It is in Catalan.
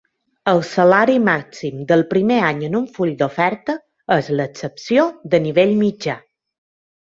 El salari màxim del primer any en un full d'oferta és l'excepció de nivell mitjà.